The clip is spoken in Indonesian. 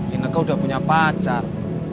ineke udah punya pacar